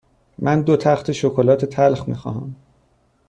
من دو تخته شکلات تلخ می خواهم.